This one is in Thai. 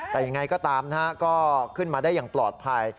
แต่ยังไงก็ตามนะฮะก็ขึ้นมาได้อย่างปลอดภัย